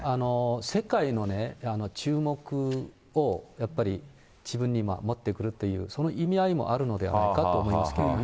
世界のね、注目をやっぱり、自分に持ってくるという、その意味合いもあるのではないかと思いますけどね。